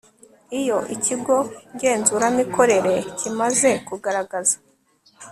Iyo ikigo ngenzuramikorere kimaze kugaragaza